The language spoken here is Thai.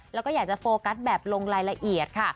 แล้วก็อยากจะโฟกัสแบบลงรายละเอียดค่ะ